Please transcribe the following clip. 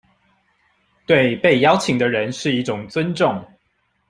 對被邀請的人是一種尊重